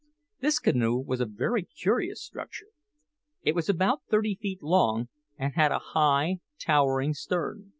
This canoe was a very curious structure. It was about thirty feet long, and had a high, towering stern.